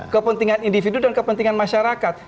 kepentingan individu dan kepentingan masyarakat